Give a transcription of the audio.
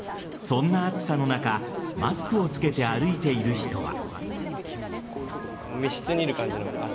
そんな暑さの中マスクをつけて歩いている人は。